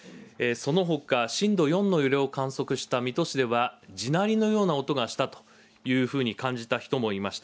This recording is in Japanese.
そのほか震度４の揺れを観測した水戸市では、地鳴りのような音がしたというふうに感じた人もいました。